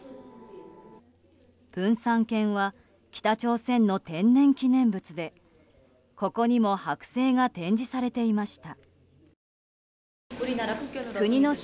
プンサン犬は北朝鮮の天然記念物でここにも剥製が展示されていました。